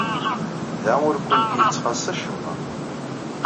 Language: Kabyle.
Da ur kent-yettxaṣṣa wacemma.